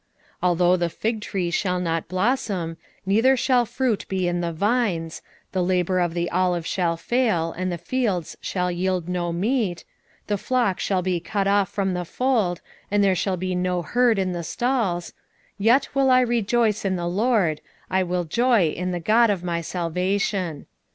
3:17 Although the fig tree shall not blossom, neither shall fruit be in the vines; the labour of the olive shall fail, and the fields shall yield no meat; the flock shall be cut off from the fold, and there shall be no herd in the stalls: 3:18 Yet I will rejoice in the LORD, I will joy in the God of my salvation.